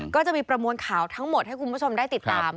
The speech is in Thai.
ก็จะมีประมวลข่าวทั้งหมดให้คุณผู้ชมได้ติดตาม